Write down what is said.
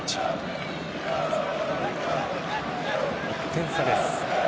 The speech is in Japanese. １点差です。